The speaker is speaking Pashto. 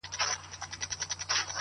چي څه مستې جوړه سي لږه شانې سور جوړ سي!!